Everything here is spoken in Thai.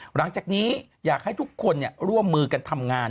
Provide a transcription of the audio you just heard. หลังจากนี้อยากให้ทุกคนร่วมมือกันทำงาน